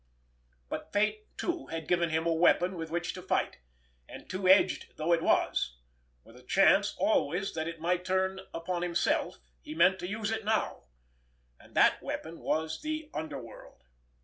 But fate, too, had given him a weapon with which to fight; and, two edged though it was, with a chance always that it might turn upon himself, he meant to use it now—and that weapon was the underworld.